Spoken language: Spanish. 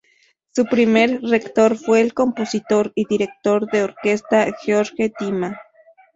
Su primer rector fue el compositor y director de orquesta Gheorghe Dima.